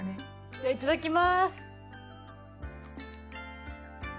じゃあいただきます。